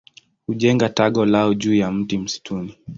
Hujenga tago lao juu ya mti msituni.